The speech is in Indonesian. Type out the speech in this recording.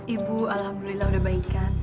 ibu alhamdulillah udah baik kan